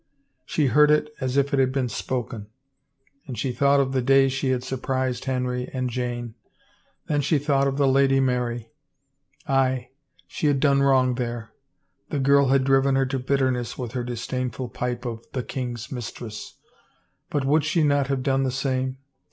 ... She heard it as if it had been spoken — and she thought of the day she had surprised Henry and Jane — then she thought of the Lady Mary. Aye, she had done wrong there. The girl had driven her to bitterness with her disdainful pipe of " the king's mistress/' ... but would she not have done the same